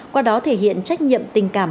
qua đó thể hiện trách nhiệm tình cảm